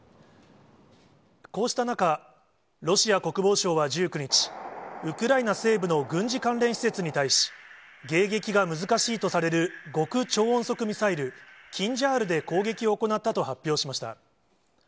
こうした中、ロシア国防省は１９日、ウクライナ西部の軍事関連施設に対し、迎撃が難しいとされる極超音速ミサイル、キンジャールで攻撃を行ったと発表しました。